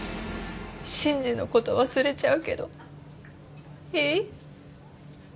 真司のこと忘れちゃうけどいい？